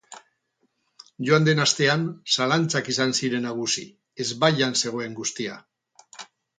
Joan den astean, zalantzak izan ziren nagusi, ezbaian zegoen guztia.